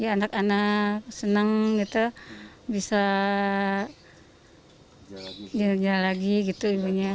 anak anak senang gitu bisa jalan lagi gitu